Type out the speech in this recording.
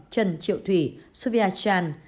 trần triệu thủy suvia chan